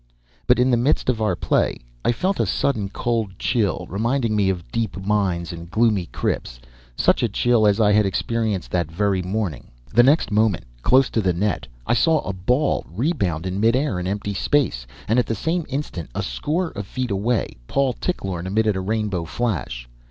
But in the midst of our play I felt a sudden cold chill, reminding me of deep mines and gloomy crypts, such a chill as I had experienced that very morning. The next moment, close to the net, I saw a ball rebound in mid air and empty space, and at the same instant, a score of feet away, Paul Tichlorne emitted a rainbow flash.